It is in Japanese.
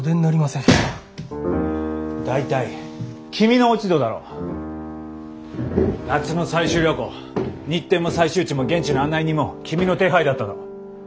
大体君の落ち度だろう！夏の採集旅行日程も採集地も現地の案内人も君の手配だったろう？